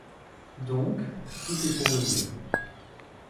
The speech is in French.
Donc, tout est pour le mieux.